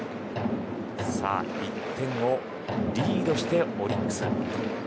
１点をリードしているオリックス。